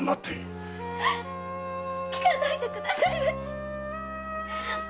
聞かないでくださいまし。